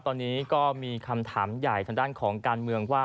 ตอนนี้ก็มีคำถามใหญ่ทางด้านของการเมืองว่า